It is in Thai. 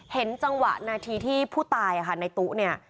เห็นจังหวะนาทีที่ผู้ตายค่ะในตู้เนี่ย